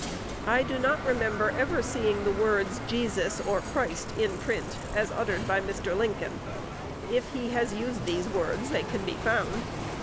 I do not remember ever seeing the words Jesus or Christ in print, as uttered by Mr. Lincoln. If he has used these words, they can be found.